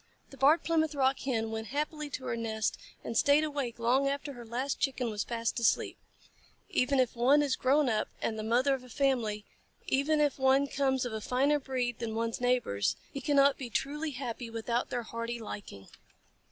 The Barred Plymouth Rock Hen went happily to her nest, and stayed awake long after her last Chicken was fast asleep. Even if one is grown up and the mother of a family, even if one comes of a finer breed than one's neighbors, he cannot be truly happy without their hearty liking.